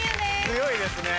強いですね。